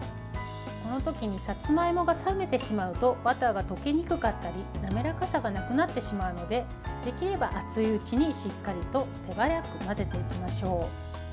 この時にさつまいもが冷めてしまうとバターが溶けにくかったり滑らかさがなくなってしまうのでできれば熱いうちにしっかりと手早く混ぜておきましょう。